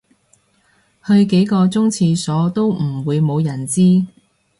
去幾個鐘廁所都唔會無人知